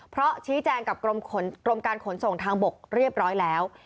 เพราะชี้แจงกับกรมการขนส่งทางบกเรียบร้อยแล้ว